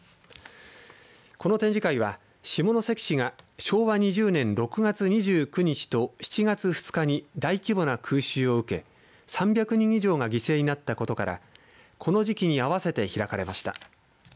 この展示会は下関市が昭和２０年６月２９日と７月２日に大規模な空襲を受け３００人以上が犠牲になったことからこの時期に合わせて開かれました。